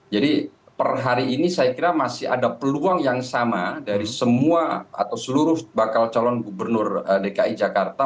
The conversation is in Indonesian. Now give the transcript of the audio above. jadi per hari ini saya kira masih ada peluang yang sama dari semua atau seluruh bakal calon gubernur dki jakarta